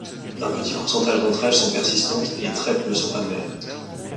Un petit pourcentage d'entre elles sont persistantes, et très peu sont annuelles.